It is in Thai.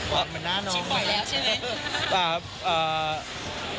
เธอชิมปล่อยแล้วใช้ไม